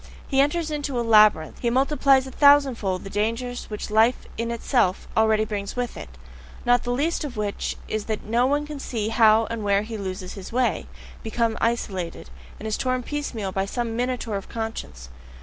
He enters into a labyrinth, he multiplies a thousandfold the dangers which life in itself already brings with it; not the least of which is that no one can see how and where he loses his way, becomes isolated, and is torn piecemeal by some minotaur of conscience.